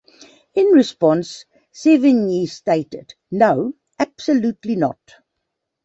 In response, Sevigny stated: No, absolutely not.